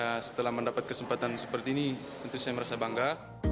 ya setelah mendapat kesempatan seperti ini tentu saya merasa bangga